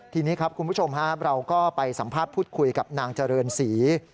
ทีนี้ครับคุณผู้ชมเราก็ไปสัมภาษณ์พูดคุยกับนางเจริญศรี